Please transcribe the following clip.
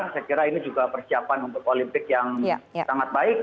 saya kira ini juga persiapan untuk olimpik yang sangat baik